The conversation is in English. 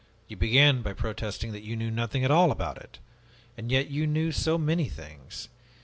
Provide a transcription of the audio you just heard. You began by protesting that you knew nothing at all about it. And yet you knew so many things.